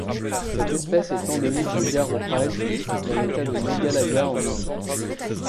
Cette espèce est endémique des Garo Hills dans l'État de Meghalaya en Inde.